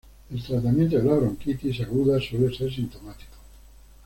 El tratamiento de la bronquitis aguda suele ser sintomático.